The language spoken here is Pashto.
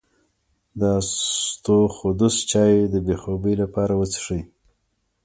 د اسطوخودوس چای د بې خوبۍ لپاره وڅښئ